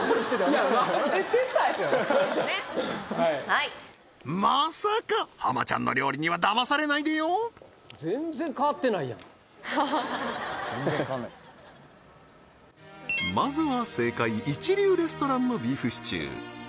いや混ぜてたよそうですねはいまさか浜ちゃんの料理にはだまされないでよははっ全然変わんないまずは正解一流レストランのビーフシチュー